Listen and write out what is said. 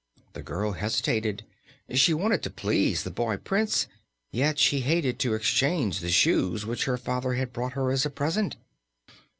The girl hesitated. She wanted to please the boy Prince, yet she hated to exchange the shoes which her father had brought her as a present.